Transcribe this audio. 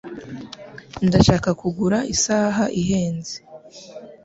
Ndashaka kugura isaha ihenze.